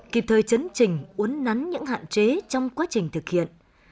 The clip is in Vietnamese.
kịp thời chấn trình uốn nắn những hạn chế trong quá trình thực hiện